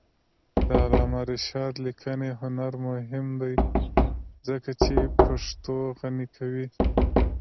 د علامه رشاد لیکنی هنر مهم دی ځکه چې پښتو غني کوي.